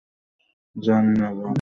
জানি না, বব।